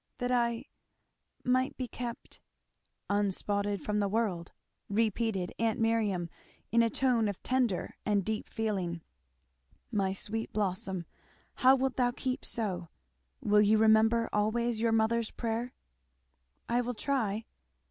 "That I might be kept " "Unspotted from the world!" repeated aunt Miriam, in a tone of tender and deep feeling; "My sweet blossom! how wilt thou keep so? Will you remember always your mother's prayer?" "I will try."